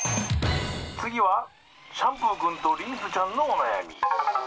「つぎはシャンプーくんとリンスちゃんのおなやみ」。